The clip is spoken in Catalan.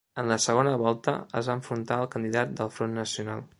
En la segona volta es va enfrontar al candidat del Front Nacional.